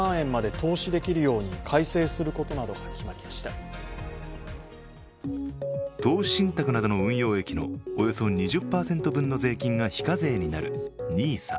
投資信託などの運用益のおよそ２０％分の税金が非課税になるＮＩＳＡ。